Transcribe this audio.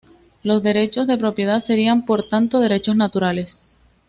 Los derechos de propiedad serían, por tanto, derechos naturales.